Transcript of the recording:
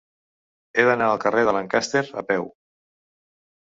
He d'anar al carrer de Lancaster a peu.